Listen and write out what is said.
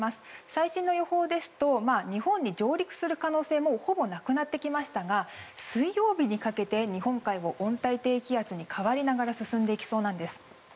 最新の予報ですと日本に上陸する可能性もほぼなくなってきましたが水曜日にかけて日本海を温帯低気圧に変わりながら進んでいきそうなんです。